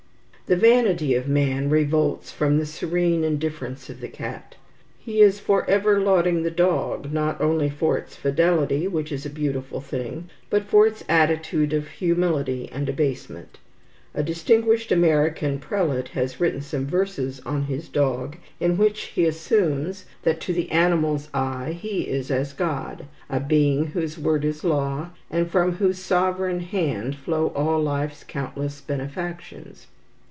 The vanity of man revolts from the serene indifference of the cat. He is forever lauding the dog, not only for its fidelity, which is a beautiful thing, but for its attitude of humility and abasement. A distinguished American prelate has written some verses on his dog, in which he assumes that, to the animal's eyes, he is as God, a being whose word is law, and from whose sovereign hand flow all life's countless benefactions.